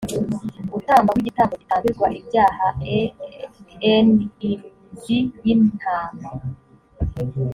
gutamba ho igitambo gitambirwa ibyaha e n im zi y intama